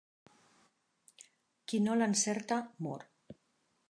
Qui no l'encerta mor.